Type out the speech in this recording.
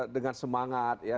dengan semangat ya